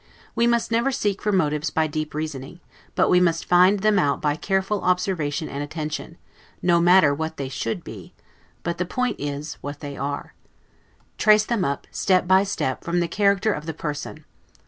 We must never seek for motives by deep reasoning, but we must find them out by careful observation and attention, no matter what they should be, but the point is, what they are. Trace them up, step by step, from the character of the person.